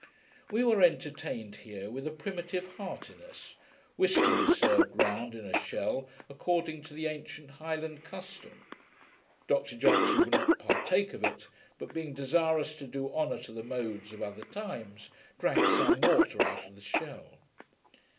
We were entertained here with a primitive heartiness. Whisky was served round in a shell, according to the ancient Highland custom. Dr Johnson would not partake of it; but, being desirous to do honour to the modes 'of other times', drank some water out of the shell.